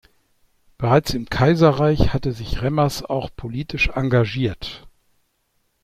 Bereits im Kaiserreich hatte sich Remmers auch politisch engagiert.